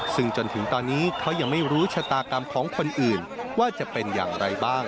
ซึ่งจนถึงตอนนี้เขายังไม่รู้ชะตากรรมของคนอื่นว่าจะเป็นอย่างไรบ้าง